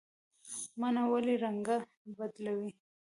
مڼه ولې رنګ بدلوي؟